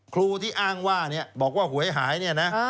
ครูที่อ้างว่าบอกว่าหวยหายเนี่ยนะ